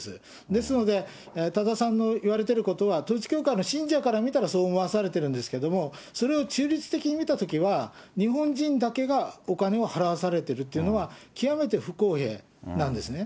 ですので、多田さんの言われてることは統一教会の信者から見たら、そう思わされてるんですけれども、それを中立的に見たときは日本人だけがお金を払わされているっていうのは、極めて不公平なんですね。